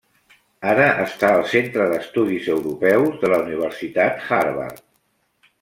Ara està al Centre d'Estudis Europeus de la Universitat Harvard.